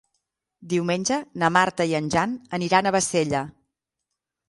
Diumenge na Marta i en Jan aniran a Bassella.